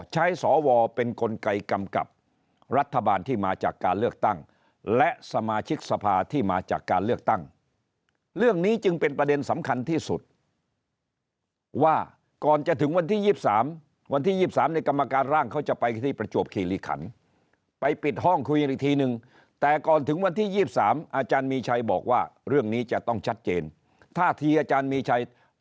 สวเป็นกลไกกำกับรัฐบาลที่มาจากการเลือกตั้งและสมาชิกสภาที่มาจากการเลือกตั้งเรื่องนี้จึงเป็นประเด็นสำคัญที่สุดว่าก่อนจะถึงวันที่๒๓วันที่๒๓ในกรรมการร่างเขาจะไปที่ประจวบคีริขันไปปิดห้องคุยกันอีกทีนึงแต่ก่อนถึงวันที่๒๓อาจารย์มีชัยบอกว่าเรื่องนี้จะต้องชัดเจนท่าทีอาจารย์มีชัย